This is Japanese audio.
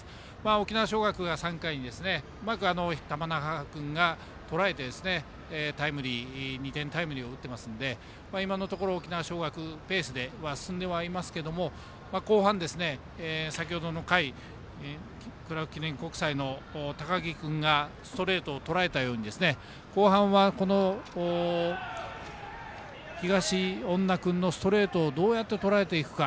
沖縄尚学が３回にうまく玉那覇君がとらえて２点タイムリーを打ってますので今のところ沖縄尚学ペースで進んではいますけれども後半、先ほどの回クラーク記念国際の高木君がストレートをとらえたように後半は、東恩納君のストレートをどうやってとらえていくか。